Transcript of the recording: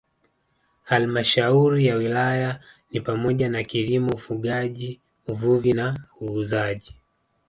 Halmashauri ya Wilaya ni pamoja na kilimo ufugaji uvuvi na uuzaji